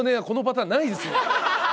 このパターンないです。